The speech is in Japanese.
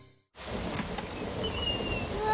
⁉うわ！